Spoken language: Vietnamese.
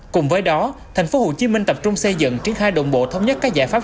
cùng với đó tp hcm tập trung xây dựng triển khai đồng bộ thống nhất các giải pháp